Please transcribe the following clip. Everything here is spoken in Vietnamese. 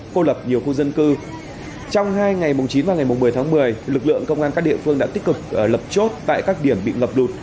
cô lập nhiều khu dân cư